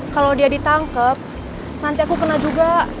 kalau dia ditangkap nanti aku kena juga